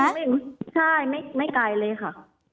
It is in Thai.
ไม่ใช่ไม่ไกลเลยค่ะ